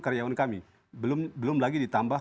karyawan kami belum lagi ditambah